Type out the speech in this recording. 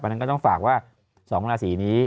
อันนั้นก็ต้องฝากว่า๒คุณฮาวสถีนี้